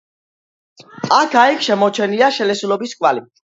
აქა-იქ შემორჩენილია შელესილობის კვალი.